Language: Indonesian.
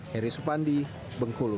heri supandi bengkulu